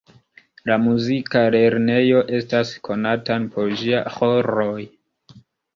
La muzika lernejo estas konatan por ĝia ĥoroj.